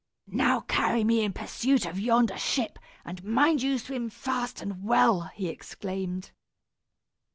"Now, carry me in pursuit of yonder ship, and mind you swim fast and well," he exclaimed.